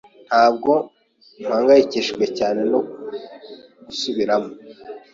Ntabwo mpangayikishijwe cyane no gusubiramo.